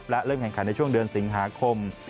และเริ่มแข่งขันในช่วงเดือนสิงหาคม